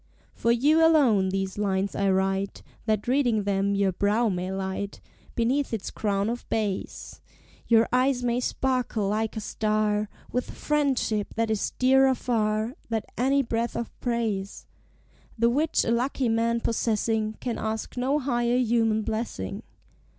For you alone these lines I write, That, reading them, your brow may light Beneath its crown of bays; Your eyes may sparkle like a star, With friendship, that is dearer far Than any breath of praise; The which a lucky man possessing Can ask no higher human blessing.